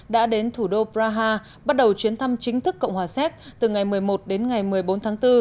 đã đến thủ đô praha bắt đầu chuyến thăm chính thức cộng hòa séc từ ngày một mươi một đến ngày một mươi bốn tháng bốn